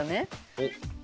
おっ。